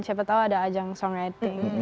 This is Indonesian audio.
siapa tau ada ajang songwriting